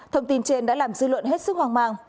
thông tin trên đã làm dư luận hết sức hoàn toàn